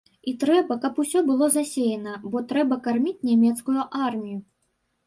І трэба, каб усё было засеяна, бо трэба карміць нямецкую армію.